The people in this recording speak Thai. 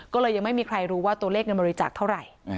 ก็เลยยังไม่มีใครรู้ว่าตัวเลขเงินบริจาคเท่าไหร่